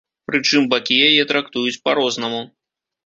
Прычым бакі яе трактуюць па-рознаму.